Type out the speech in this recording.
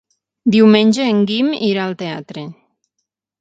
Diumenge en Guim irà al teatre.